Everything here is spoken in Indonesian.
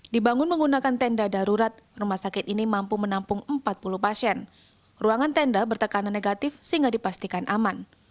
dibangun menggunakan tenda darurat rumah sakit ini mampu menampung empat puluh pasien ruangan tenda bertekanan negatif sehingga dipastikan aman